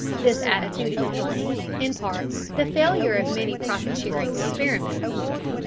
This attitude explains, in part, the failure of many profit sharing experiments.